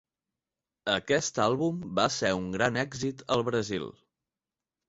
Aquest àlbum va ser un gran èxit al Brasil.